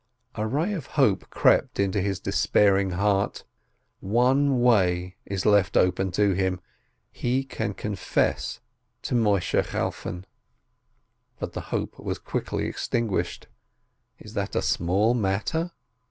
A ray of hope crept into his despairing heart. One way is left open to him : he can confess to Moisheh Chalfon ! But the hope was quickly extinguished. Is that a small matter?